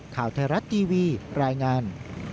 ข่าวไทยรัฐทีวีรายงาน